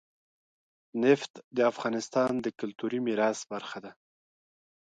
نفت د افغانستان د کلتوري میراث برخه ده.